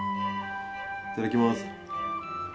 いただきます。